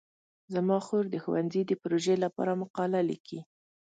زما خور د ښوونځي د پروژې لپاره مقاله لیکي.